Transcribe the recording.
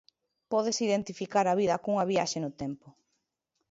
Pódese identificar a vida cunha viaxe no tempo.